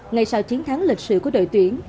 ngày sau chiến thắng lịch sử của đội tuyển